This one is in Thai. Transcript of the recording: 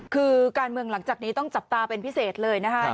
คือการเมืองหลังจากนี้ต้องจับตาเป็นพิเศษเลยนะคะ